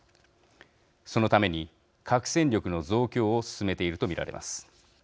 そのために核戦力の増強を進めていると見られます。